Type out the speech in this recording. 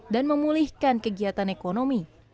dan memulihkan kegiatan ekonomi